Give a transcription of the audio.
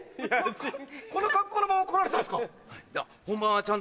この格好のまま来られたんですか？